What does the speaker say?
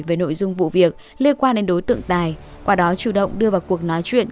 về nội dung vụ việc liên quan đến đối tượng tài qua đó chủ động đưa vào cuộc nói chuyện